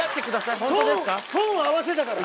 トーン合わせたから。